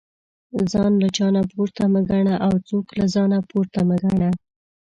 ځان له چانه پورته مه ګنه او څوک له ځانه پورته مه ګنه